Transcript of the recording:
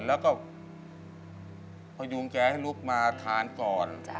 แล้วก็พยุงแกให้ลุกมาทานก่อน